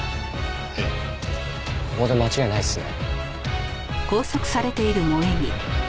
ここで間違いないですね。